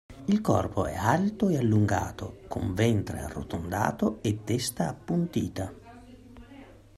Il corpo è alto e allungato, con ventre arrotondato e testa appuntita.